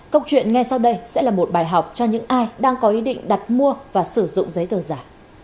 câu chuyện ngay sau đây sẽ là một bài học cho những ai đang có ý định đặt mua và sử dụng giấy tờ giả